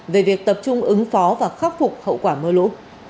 về việc tập trung ứng phó và khắc phục hậu quả mưa lũ